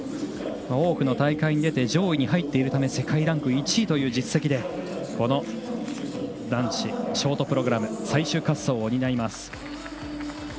多くの大会に出て上位に入っているため世界ランク１位という実績でこの男子ショートプログラム最終滑走を担います。